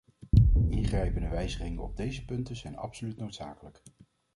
Ingrijpende wijzigingen op deze punten zijn absoluut noodzakelijk.